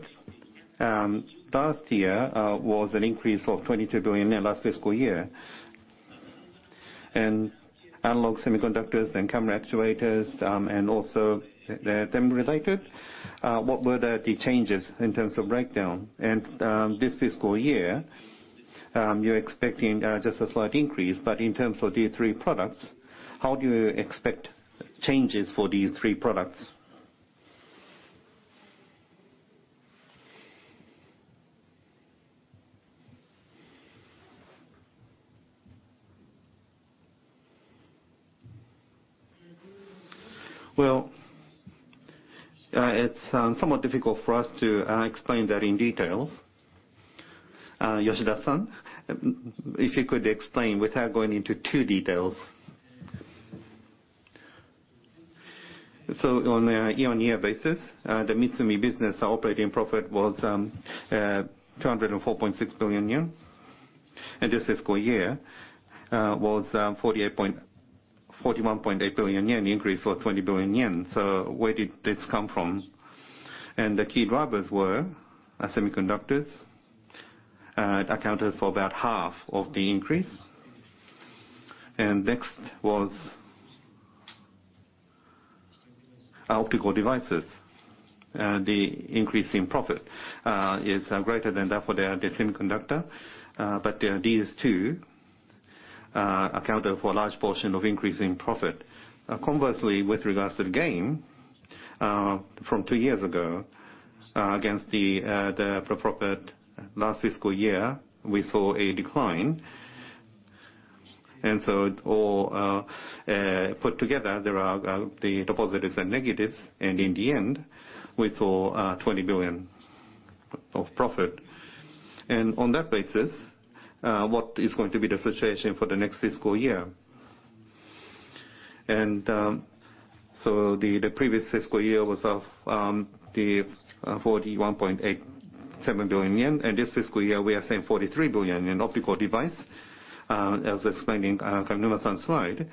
last year was an increase of 22 billion last fiscal year. Analog semiconductors and camera actuators, and also the game-related, what were the changes in terms of breakdown? This fiscal year, you're expecting just a slight increase, but in terms of these three products, how do you expect changes for these three products? Well, it's somewhat difficult for us to explain that in details. Yoshida-san, if you could explain without going into too details. On a year-on-year basis, the Mitsumi business operating profit was 204.6 billion yen. This fiscal year was 41.8 billion yen, increase of 20 billion yen. Where did this come from? The key drivers were semiconductors accounted for about half of the increase. Next was optical devices. The increase in profit is greater than that for the semiconductor. But these two accounted for a large portion of increase in profit. Conversely, with regards to the gain from two years ago against the profit last fiscal year, we saw a decline. It all put together, there are the positives and negatives, and in the end, we saw 20 billion of profit. On that basis, what is going to be the situation for the next fiscal year? The previous fiscal year was of the 41.87 billion yen, and this fiscal year we are saying 43 billion in optical devices. As explained in Kainuma-san's slide,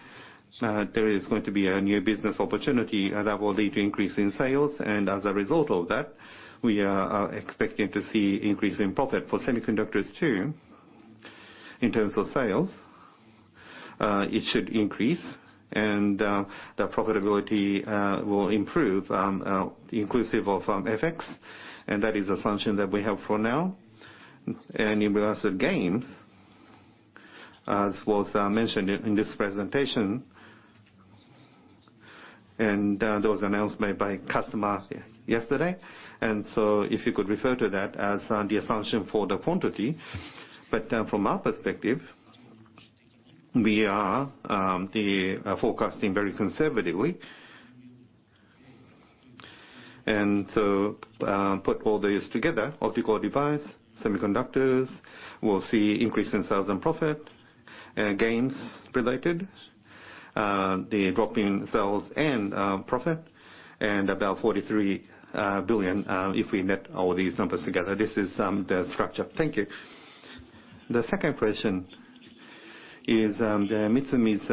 there is going to be a new business opportunity that will lead to increase in sales. As a result of that, we are expecting to see increase in profit. For semiconductors too, in terms of sales, it should increase and the profitability will improve, inclusive of FX, and that is assumption that we have for now. In regards to gains, as was mentioned in this presentation, and there was announcement by customer yesterday. If you could refer to that as the assumption for the quantity. From our perspective, we are forecasting very conservatively. Put all these together, optical devices, semiconductors will see increase in sales and profit. Gains related to the drop in sales and profit, and about 43 billion if we net all these numbers together. This is the structure. Thank you. The second question is the Mitsumi's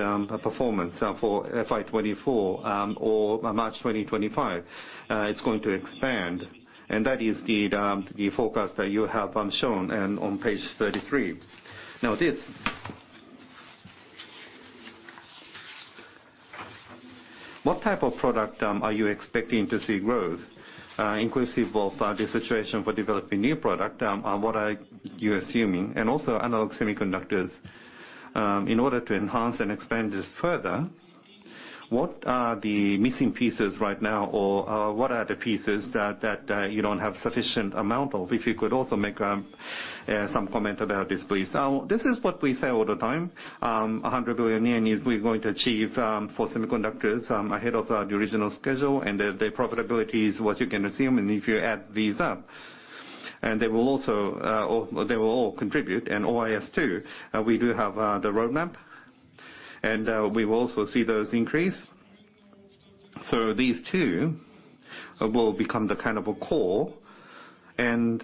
performance for FY 2024 or March 2025. It's going to expand, and that is the forecast that you have shown on page 33. What type of product are you expecting to see growth inclusive of the situation for developing new product, what are you assuming? Also analog semiconductors. In order to enhance and expand this further, what are the missing pieces right now, or what are the pieces that you don't have sufficient amount of? If you could also make some comment about this, please. Now, this is what we say all the time. 100 billion yen is we're going to achieve for semiconductors ahead of the original schedule, and the profitability is what you can assume and if you add these up. They will also, or they will all contribute, and OIS too, we do have the roadmap and we will also see those increase. These two will become the kind of a core and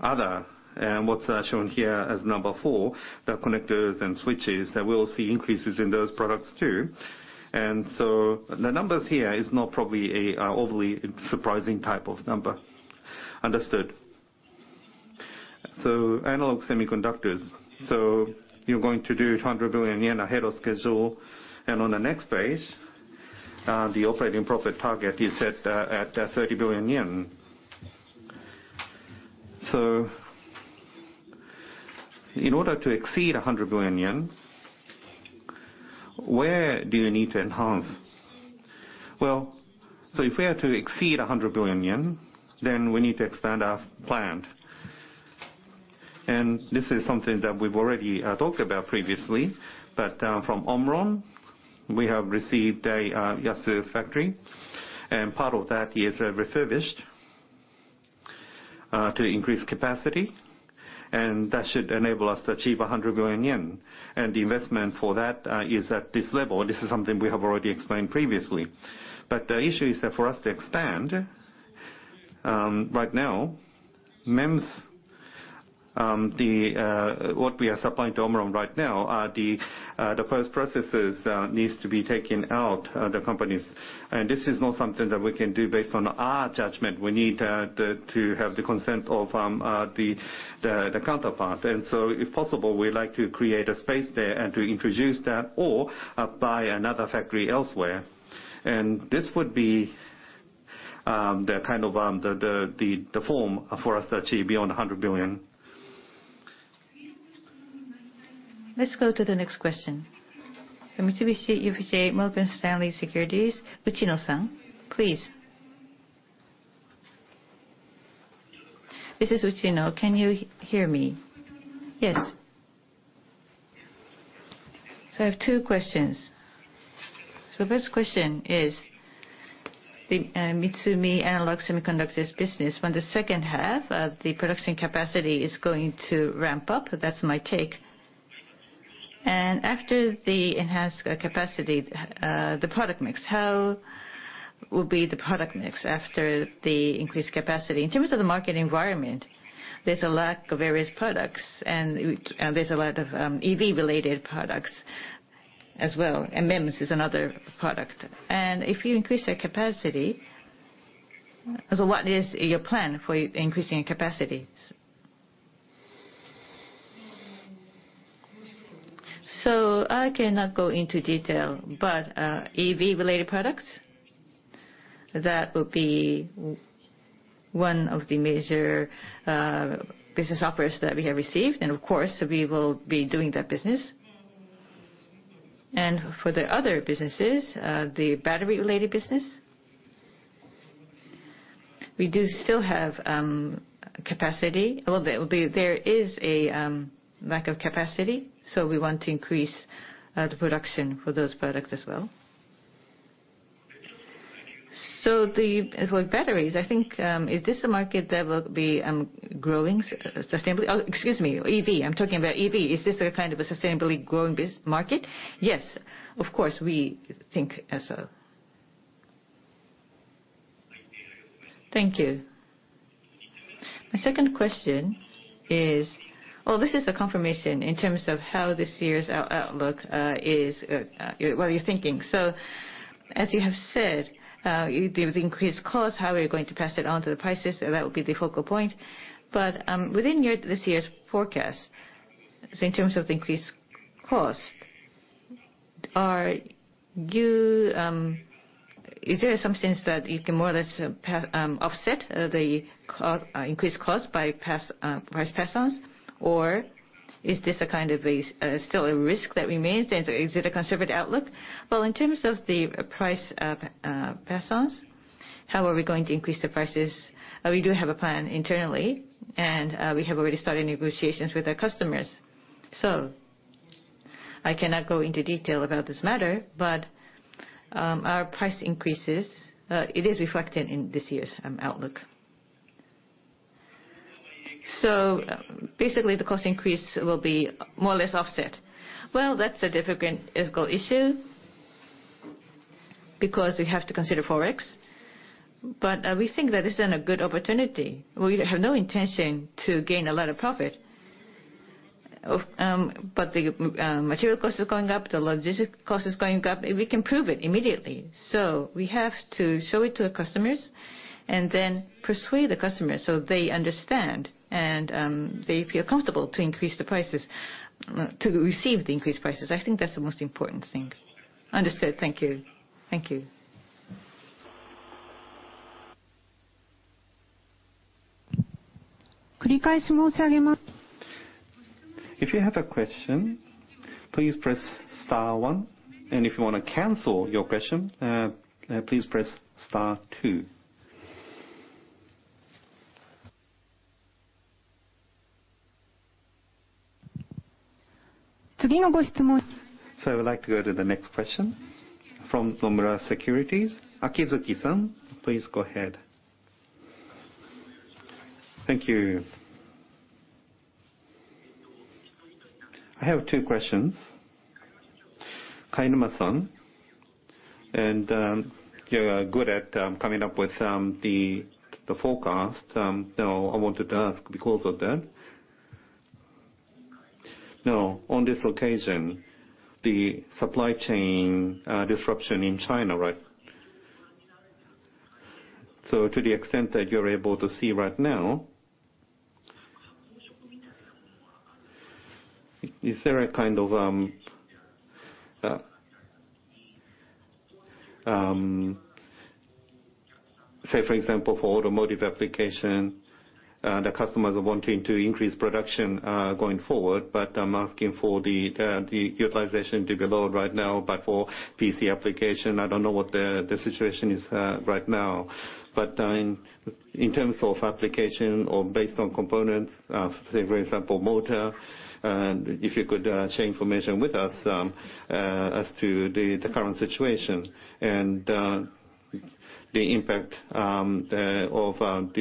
other, and what's shown here as number 4, the connectors and switches, that we'll see increases in those products too. The numbers here is not probably an overly surprising type of number. Understood. Analog semiconductors, you're going to do 100 billion yen ahead of schedule. On the next page, the operating profit target you set at 30 billion yen. In order to exceed 100 billion yen, where do you need to enhance? If we are to exceed 100 billion yen, then we need to expand our plant. This is something that we've already talked about previously. From Omron, we have received a Yasu factory, and part of that is refurbished to increase capacity, and that should enable us to achieve 100 billion yen. The investment for that is at this level. This is something we have already explained previously. The issue is that for us to expand, right now, MEMS, what we are supplying to Omron right now are the first processes needs to be taken out of the companies. This is not something that we can do based on our judgment. We need to have the consent of the counterpart. If possible, we'd like to create a space there and to introduce that or buy another factory elsewhere. This would be the kind of the form for us to achieve beyond 100 billion. Let's go to the next question. Mitsubishi UFJ Morgan Stanley Securities, Uchino-san, please. This is Uchino. Can you hear me? Yes. I have two questions. First question is the Mitsumi analog semiconductors business, from the second half of the production capacity is going to ramp up. That's my take. After the enhanced capacity, the product mix, how will be the product mix after the increased capacity? In terms of the market environment, there's a lack of various products and there's a lot of EV related products as well, and MEMS is another product. If you increase your capacity, what is your plan for increasing capacity? I cannot go into detail, but EV related products, that will be one of the major business offers that we have received. Of course, we will be doing that business. For the other businesses, the battery related business, we do still have capacity. There is a lack of capacity, so we want to increase the production for those products as well. I think, is this a market that will be growing sustainably? Oh, excuse me, EV. I'm talking about EV. Is this a kind of a sustainably growing market? Yes, of course, we think so. Thank you. My second question is. Well, this is a confirmation in terms of how this year's outlook is what you're thinking. As you have said, with the increased cost, how are you going to pass it on to the prices? That will be the focal point. Within your this year's forecast, in terms of the increased cost, is there some sense that you can more or less offset the increased cost by price pass-ons, or is this a kind of a still a risk that remains? Is it a conservative outlook? Well, in terms of the price pass-ons, how are we going to increase the prices? We do have a plan internally, and we have already started negotiations with our customers. I cannot go into detail about this matter, but our price increases it is reflected in this year's outlook. Basically, the cost increase will be more or less offset. That's a difficult issue because we have to consider Forex. We think that this is a good opportunity. We have no intention to gain a lot of profit. The material cost is going up, the logistic cost is going up. We can prove it immediately. We have to show it to the customers and then persuade the customer so they understand and they feel comfortable to increase the prices, to receive the increased prices. I think that's the most important thing. Understood. Thank you. Thank you. If you have a question, please press star one. If you want to cancel your question, please press star two. I would like to go to the next question from Nomura Securities. Akizuki-san, please go ahead. Thank you. I have two questions. Kainuma-san, you are good at coming up with the forecast. Now I wanted to ask because of that. Now, on this occasion, the supply chain disruption in China, right? To the extent that you're able to see right now, is there a kind of... Say for example, for automotive application, the customers are wanting to increase production going forward, but I'm asking for the utilization to the load right now. For PC application, I don't know what the situation is right now. In terms of application or based on components, say for example motor, and if you could share information with us as to the current situation. The impact of the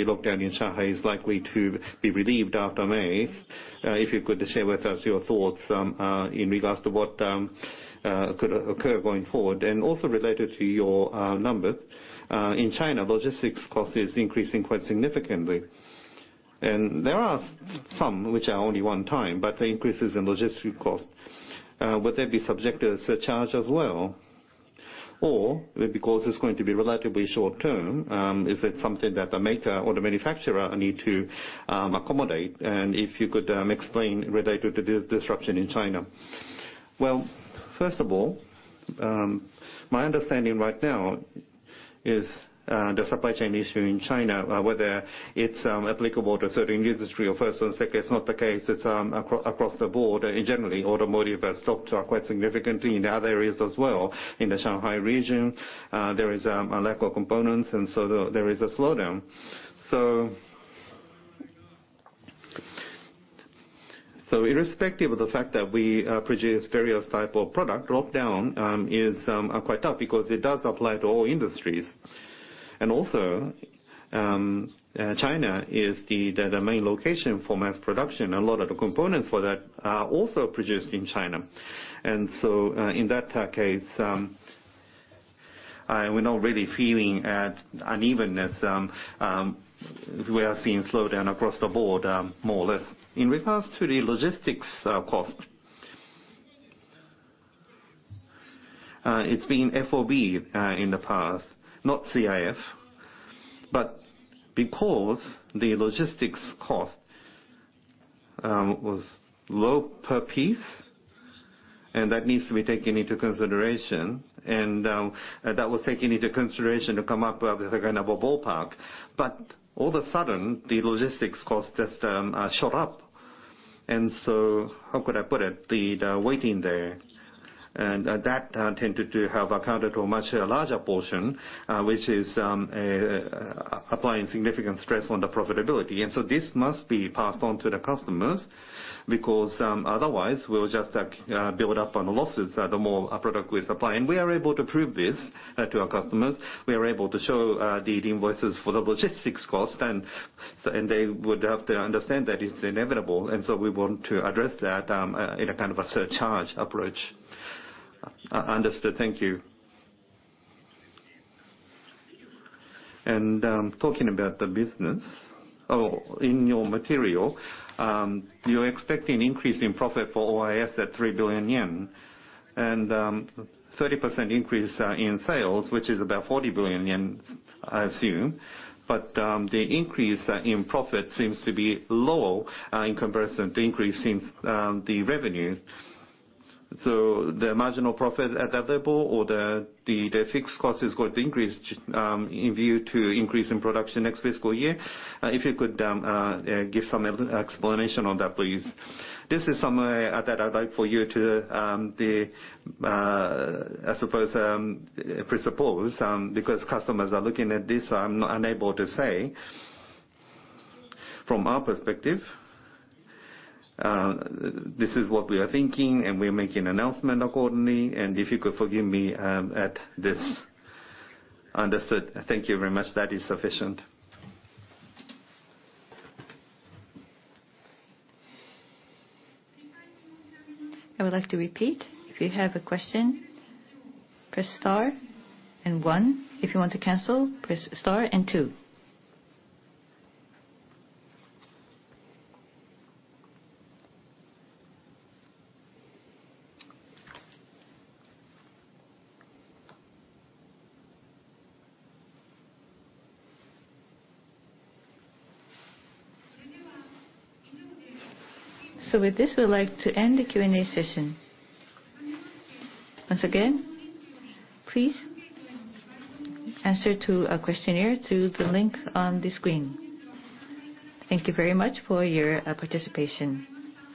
lockdown in Shanghai is likely to be relieved after May. If you could share with us your thoughts in regards to what could occur going forward. Also related to your numbers in China, logistics cost is increasing quite significantly. There are some which are only one-time, but the increases in logistics cost would they be subject to a surcharge as well? Or because it's going to be relatively short-term, is it something that the maker or the manufacturer need to accommodate? If you could explain related to the disruption in China. Well, first of all, my understanding right now is the supply chain issue in China, whether it's applicable to certain industry or first and second, it's not the case. It's across the board. Generally, automotive stocks are quite significantly down in other areas as well. In the Shanghai region, there is a lack of components and so there is a slowdown. Irrespective of the fact that we produce various type of product, drawdown is quite tough because it does apply to all industries. China is the main location for mass production. A lot of the components for that are also produced in China. In that case, we're now really feeling unevenness. We are seeing slowdown across the board, more or less. In regards to the logistics cost, it's been FOB in the past, not CIF. Because the logistics cost was low per piece, and that needs to be taken into consideration, and that was taken into consideration to come up with a kind of a ballpark. All of a sudden, the logistics cost just shot up. How could I put it? That tended to have accounted for a much larger portion, which is applying significant stress on the profitability. This must be passed on to the customers because otherwise we'll just build up on the losses the more a product we supply. We are able to prove this to our customers. We are able to show the invoices for the logistics cost, and they would have to understand that it's inevitable. We want to address that in a kind of a surcharge approach. Understood. Thank you. Talking about the business. In your material, you're expecting increase in profit for OIS at 3 billion yen. 30% increase in sales, which is about 40 billion yen, I assume. The increase in profit seems to be low in comparison to increase in the revenue. The marginal profit at that level or the fixed cost is going to increase in view to increase in production next fiscal year. If you could give some explanation on that, please. This is something that I'd like for you to, I suppose, presuppose because customers are looking at this, I'm unable to say. From our perspective, this is what we are thinking, and we're making announcement accordingly. If you could forgive me, at this. Understood. Thank you very much. That is sufficient. I would like to repeat. If you have a question, press star and one. If you want to cancel, press star and two. With this, we would like to end the Q&A session. Once again, please answer to our questionnaire through the link on the screen. Thank you very much for your participation.